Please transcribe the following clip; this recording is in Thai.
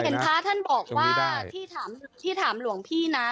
เห็นพระท่านบอกว่าที่ถามหลวงพี่นะ